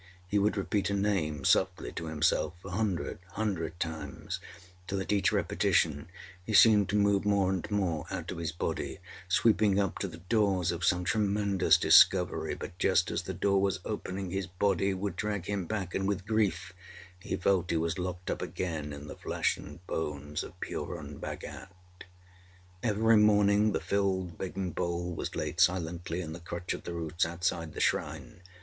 He would repeat a Name softly to himself a hundred hundred times, till, at each repetition, he seemed to move more and more out of his body, sweeping up to the doors of some tremendous discovery; but, just as the door was opening, his body would drag him back, and, with grief, he felt he was locked up again in the flesh and bones of Purun Bhagat. Every morning the filled begging bowl was laid silently in the crutch of the roots outside the shrine.